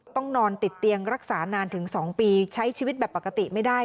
ต้องนอนติดเตียงรักษานานถึง๒ปีใช้ชีวิตแบบปกติไม่ได้